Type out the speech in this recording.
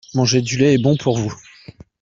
Manger du lait est bon pour vous.